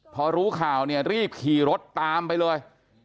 พอรู้ข่าวเนี่ยรีบขี่รถตามไปเลย